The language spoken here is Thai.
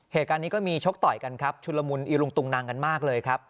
เหตุการณ์นี้ก็มีชกต่อยกันครับชุลมุนอีลุงตุงนังกันมากเลยครับ